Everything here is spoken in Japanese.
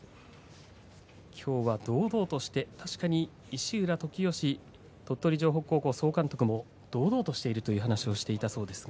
きょうは堂々として確かに石浦外喜義鳥取城北高校総監督も堂々としているという話をしていたそうですが。